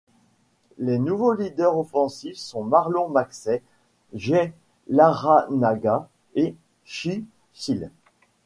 Les nouveaux leaders offensifs sont Marlon Maxey, Jay Larranaga ou Shea Seals.